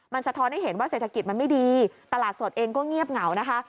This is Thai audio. มันสะท้อนให้เห็นว่าเศรษฐกิจมันไม่ดีตลาดสดเองก็เงียบเหงานะคะ